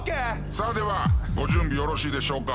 さあではご準備よろしいでしょうか？